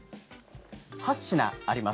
８品あります。